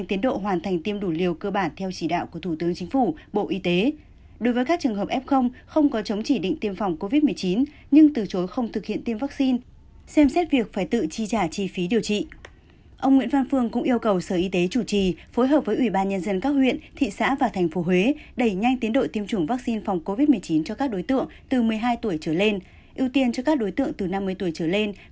tiến hành giả soát và khẩn trương hoàn thành việc tiêm chủng đủ liều cơ bản với các trường hợp từ một mươi tám tuổi trở lên